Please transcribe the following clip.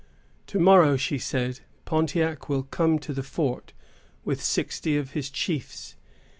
To morrow, she said, Pontiac will come to the fort with sixty of his chiefs.